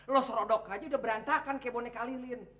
lo serodok aja udah berantakan ke boneka lilin